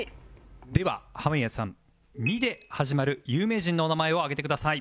では濱家さん「み」で始まる有名人のお名前を挙げてください